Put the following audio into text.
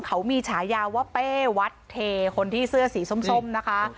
เขามีฉายาว่าเป้วัดเทคนที่เสื้อสีส้มนะคะ